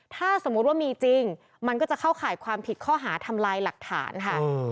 ถ้าสมมุติว่ามีจริงมันก็จะเข้าข่ายความผิดข้อหาทำลายหลักฐานค่ะ